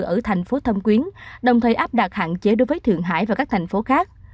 ở thành phố thâm quyến đồng thời áp đặt hạn chế đối với thượng hải và các thành phố khác